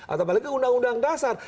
atau balik ke undang undang dasar